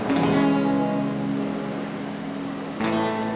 ami itu siapa